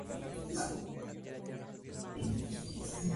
Se muestra a continuación, Amy cantando en un techo en el centro de Glasgow.